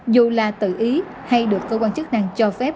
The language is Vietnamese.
dù là tự ý hay được cơ quan chức năng cho phép